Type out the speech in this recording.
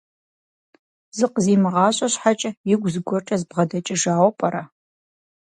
Зыкъызимыгъащӏэ щхьэкӏэ, игу зыгуэркӏэ збгъэдэкӏыжауэ пӏэрэ?